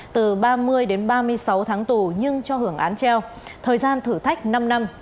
từ ba mươi đến ba mươi sáu tháng tù nhưng cho hưởng án treo thời gian thử thách năm năm